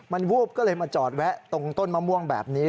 มันวูบก็เลยมาจอดแวะตรงต้นมะม่วงแบบนี้